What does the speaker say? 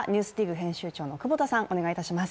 編集長の久保田さん、お願いします。